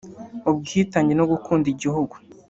ubwitange no gukunda Igihugu